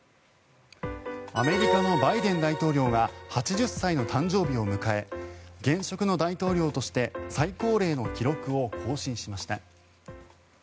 アメリカのバイデン大統領が８０歳の誕生日を迎え現職の大統領として最高齢の記録を更新しました。